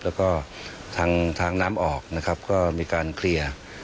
แล้วก็ทางน้ำออกนะครับก็มีการเคลียร์